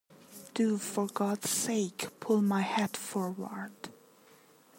Do, for God's sake, pull my hat forward.